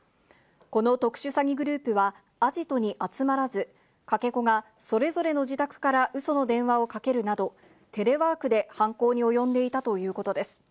この特殊詐欺グループは、アジトに集まらず、かけ子がそれぞれの自宅からうその電話をかけるなど、テレワークで犯行に及んでいたということです。